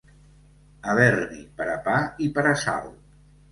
Haver-n'hi per a pa i per a sal.